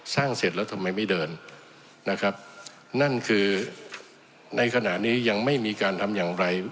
เสร็จแล้วทำไมไม่เดินนะครับนั่นคือในขณะนี้ยังไม่มีการทำอย่างไร